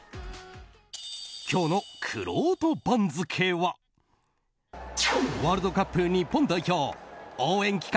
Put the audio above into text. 今日のくろうと番付はワールドカップ日本代表応援企画！